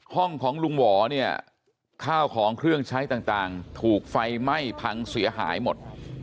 ห้องของลุงหวอเนี่ยข้าวของเครื่องใช้ต่างถูกไฟไหม้พังเสียหายหมด